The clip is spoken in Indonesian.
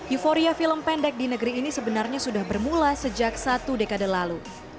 euforia film pendek di negeri ini sebenarnya sudah bermula sejak satu dekade lalu